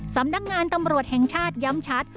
สำนักงานตำรวจแห่งชาติย้ำชัด